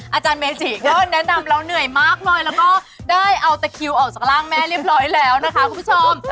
อาจารย์เมจิก็แนะนำแล้วเหนื่อยมากเลยแล้วก็ได้เอาตะคิวออกจากร่างแม่เรียบร้อยแล้วนะคะคุณผู้ชม